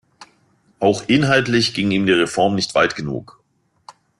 Auch inhaltlich ging ihm die Reform nicht weit genug.